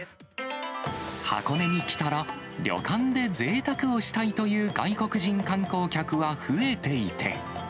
箱根に来たら、旅館でぜいたくをしたいという外国人観光客は増えていて。